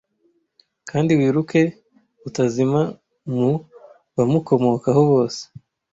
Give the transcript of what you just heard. kandi wiruke utazima mu bamukomokaho bose